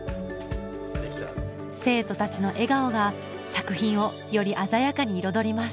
生徒たちの笑顔が作品をより鮮やかに彩ります